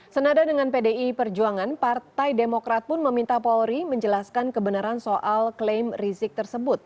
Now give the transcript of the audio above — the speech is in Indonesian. senada dengan pdi perjuangan partai demokrat pun meminta polri menjelaskan kebenaran soal klaim rizik tersebut